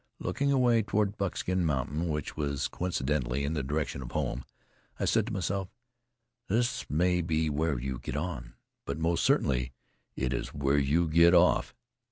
Looking away toward Buckskin Mountain, which was coincidentally in the direction of home, I said to myself: "This may be where you get on, but most certainly it is where you get off!"